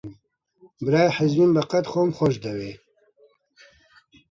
برای حیزبیم بەقەد خۆم خۆش دەوێ